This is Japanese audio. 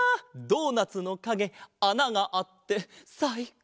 ドーナツのかげあながあってさいこうだった！